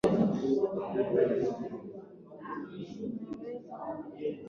na tukushukuru tu na pengine tutajumuika sote katika vipindi vijavyo vya jukwaa la michezo